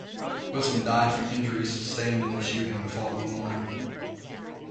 Wilson died from injuries sustained in the shooting the following morning.